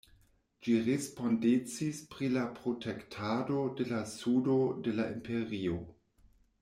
Ĝi respondecis pri la protektado de la sudo de la Imperio.